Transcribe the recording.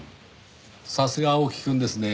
さすが青木くんですねぇ。